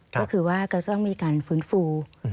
ก็คือว่าจะต้องมีการฟื้นฟู